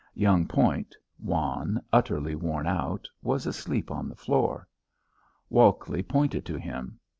Young Point, wan, utterly worn out, was asleep on the floor. Walkley pointed to him.